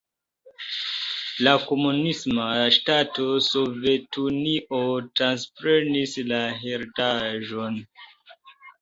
La komunisma ŝtato Sovetunio transprenis la heredaĵon.